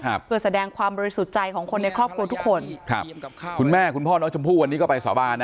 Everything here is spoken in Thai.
เพื่อแสดงความบริสุทธิ์ใจของคนในครอบครัวทุกคนครับคุณแม่คุณพ่อน้องชมพู่วันนี้ก็ไปสาบานนะ